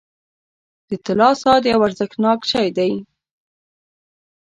• د طلا ساعت یو ارزښتناک شی دی.